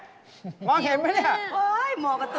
เฮ้ยเหมาะกับตัวคนด้วย